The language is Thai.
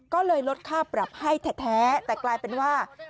ก็เลยลดค่าปรับให้แท้แต่กลายเป็นว่า